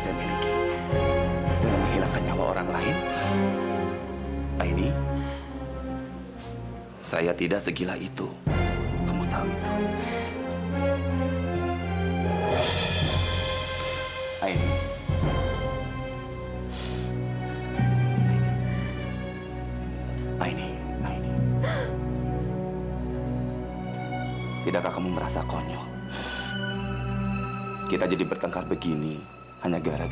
sampai jumpa di video selanjutnya